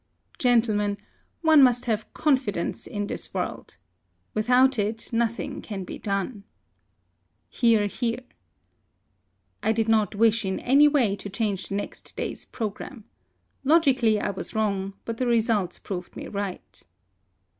Gentle men, one must have confidence in this world. Without it nothing can be done. (Hear, hear.) I did not wish in any way to change the next day's programme. Logi cally i was wrong, but the results proved me right.